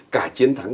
cả chiến thắng